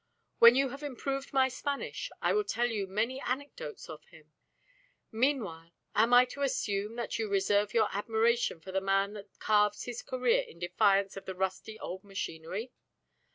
When you have improved my Spanish I will tell you many anecdotes of him. Meanwhile, am I to assume that you reserve your admiration for the man that carves his career in defiance of the rusty old machinery?"